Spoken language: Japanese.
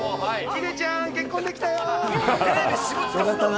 ヒデちゃん、結婚できたよ。